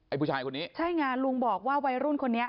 ผู้ชายคนนี้ใช่ไงลุงบอกว่าวัยรุ่นคนนี้